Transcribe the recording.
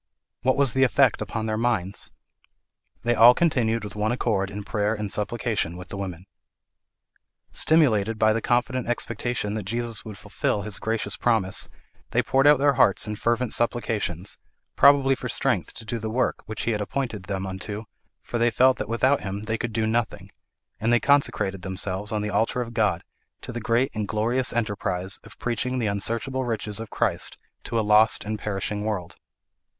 What was the effect upon their minds? 'They all continued with one accord in prayer and supplication with the women.' Stimulated by the confident expectation that Jesus would fulfil his gracious promise, they poured out their hearts in fervent supplications, probably for strength to do the work which he had appointed them unto, for they felt that without him they could do nothing, and they consecrated themselves on the altar of God, to the great and glorious enterprise of preaching the unsearchable riches of Christ to a lost and perishing world.